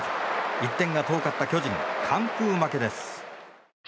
１点が遠かった巨人完封負けです。